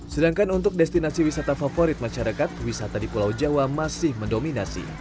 sedangkan untuk destinasi wisata favorit masyarakat wisata di pulau jawa masih mendominasi